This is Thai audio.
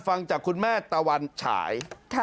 ฟังจากคุณแม่ตะวันฉาย